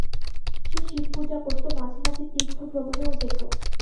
সে শিবপূজা করত, মাঝে মাঝে তীর্থভ্রমণেও যেত।